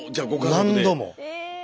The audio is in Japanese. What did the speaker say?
何度も。え。